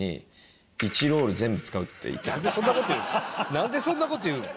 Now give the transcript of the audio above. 「なんでそんな事言うの？